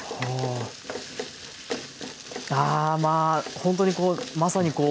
ほんとにこうまさにこう。